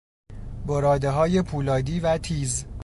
برادههای پولادی و تیز